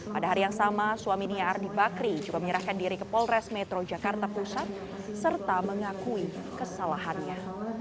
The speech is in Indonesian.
pada hari yang sama suami nia ardi bakri juga menyerahkan diri ke polres metro jakarta pusat serta mengakui kesalahannya